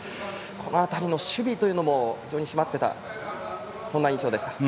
この辺りの守備も非常に締まっていたという印象でした。